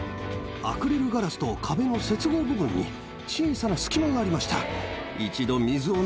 アクリルガラスと壁の接合部分に、小さな隙間がありました。